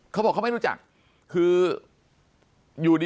ปากกับภาคภูมิ